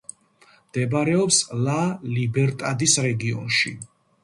მდებარეობს ლა-ლიბერტადის რეგიონში.